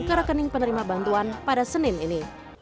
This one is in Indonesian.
ke rekening penerima bantuan pada senin ini